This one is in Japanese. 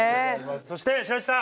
そして白石さん！